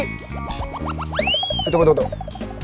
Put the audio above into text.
tunggu tunggu tunggu